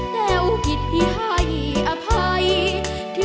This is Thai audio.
แต่วจากกลับมาท่าน้าที่รักอย่าช้านับสิสามเชย